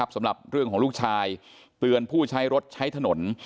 สำหรับเรื่องของลูกชายเตือนผู้ใช้รถใช้ถนน